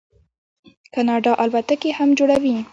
کاناډا الوتکې هم جوړوي.